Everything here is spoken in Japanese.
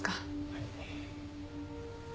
はい。